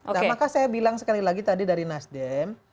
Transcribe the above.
nah maka saya bilang sekali lagi tadi dari nasdem